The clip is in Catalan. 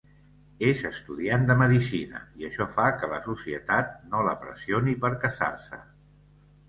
És estudiant de medicina i això fa que la societat no la pressioni per casar-se.